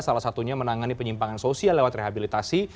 salah satunya menangani penyimpangan sosial lewat rehabilitasi